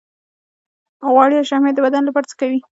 غوړ یا شحمیات د بدن لپاره څه کوي